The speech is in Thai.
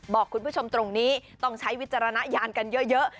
บอกคุณผู้ชมตรงนี้ต้องใช้วิจารณญาณกันเยอะ